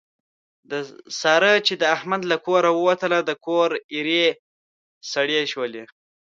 ساره چې د احمد له کوره ووتله د کور ایرې یې سړې شولې.